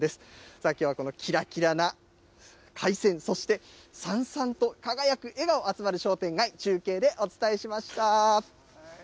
さあ、きょうはこのきらきらな海鮮、そしてさんさんと輝く笑顔集まる商店街、中継でお伝えしました。